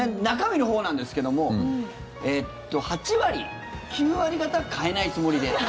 中身のほうなんですけども８割、９割方変えないつもりで。